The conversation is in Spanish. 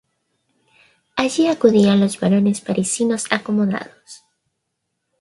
Allí acudían los varones parisinos acomodados.